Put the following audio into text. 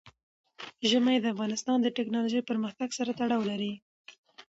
ژمی د افغانستان د تکنالوژۍ پرمختګ سره تړاو لري.